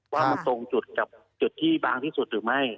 ว่ามันตรงจุดกับจุดที่บางที่สุดหรือไม่